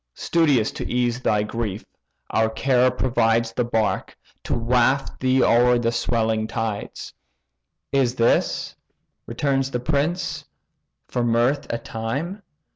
Studious to ease thy grief, our care provides The bark, to waft thee o'er the swelling tides." "Is this (returns the prince) for mirth a time?